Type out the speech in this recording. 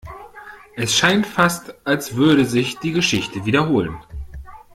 Es scheint fast, als würde sich die Geschichte wiederholen.